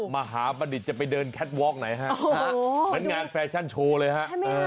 มหาวิทยาลัยจะไปเดินแฮ็ดว๊อคไหนหรือครับมันงานแฟชั่นโชว์เลยฮะ